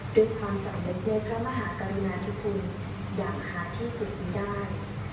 ด้วยความสำเร็จในพระมหากริงาทุกคนอย่างหาที่สุดอยู่ด้าน